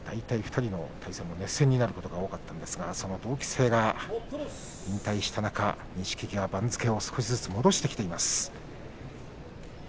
２人の対戦も熱戦になることが多かったんですが、その同期生が引退した中錦木が少しずつ番付を戻してきています。